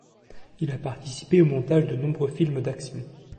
Il a participé au montage de nombreux films d'action.